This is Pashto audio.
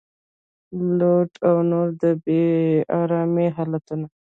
لوډ او نور د بې ارامۍ حالتونه